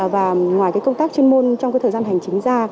và ngoài công tác chuyên môn trong thời gian hành chính ra